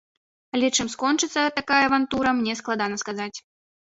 Але чым скончыцца такая авантура, мне складана сказаць.